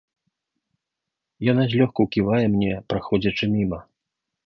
Яна злёгку ківае мне, праходзячы міма.